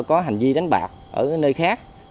có hành vi đánh bạc ở nơi khác